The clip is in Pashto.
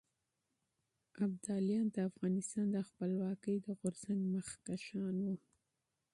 ابداليان د افغانستان د خپلواکۍ د تحريک مخکښان وو.